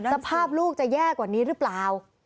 สภาพลูกจะแย่กว่านี้หรือเปล่า